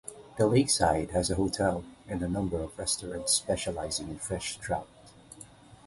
The lakeside has a hotel and a number of restaurants specializing in fresh trout.